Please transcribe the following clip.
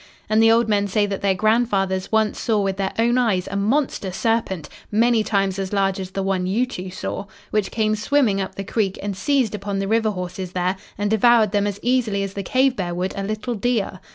And the old men say that their grandfathers once saw with their own eyes a monster serpent many times as large as the one you two saw, which came swimming up the creek and seized upon the river horses there and devoured them as easily as the cave bear would a little deer.